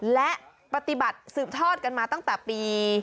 และปฏิบัติสืบทอดกันมาตั้งแต่ปี